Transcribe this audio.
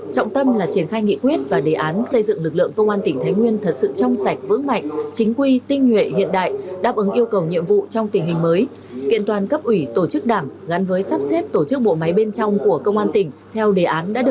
trọng tâm là triển khai nghị quyết và đề án xây dựng lực lượng công an tỉnh thái nguyên thật sự trong sạch vững mạnh chính quy tinh nhuệ hiện đại đáp ứng yêu cầu nhiệm vụ trong tình hình mới